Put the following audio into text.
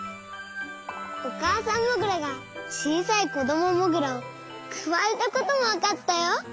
おかあさんモグラがちいさいこどもモグラをくわえたこともわかったよ。